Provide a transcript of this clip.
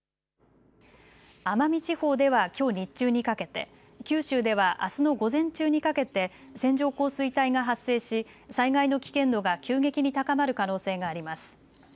奄美地方ではきょう日中にかけて、九州ではあすの午前中にかけて線状降水帯が発生し災害の危険度が急激に高まる可能性があります。